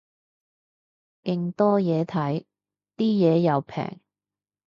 勁多嘢睇，啲嘢又平